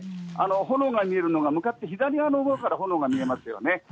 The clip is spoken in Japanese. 炎が見えるのが向かって左側のほうから炎が見えますよね。